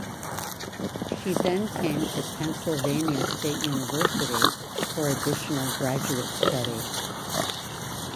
She then came to Pennsylvania State University for additional graduate study.